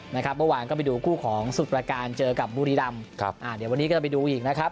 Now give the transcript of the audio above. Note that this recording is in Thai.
เมื่อวานก็ไปดูคู่ของสุดประการเจอกับบุรีรำครับอ่าเดี๋ยววันนี้ก็จะไปดูอีกนะครับ